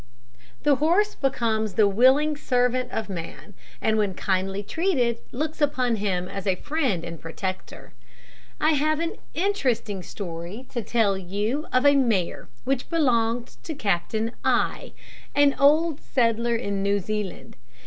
The horse becomes the willing servant of man, and when kindly treated looks upon him as a friend and protector. I have an interesting story to tell you of a mare which belonged to Captain I , an old settler in New Zealand.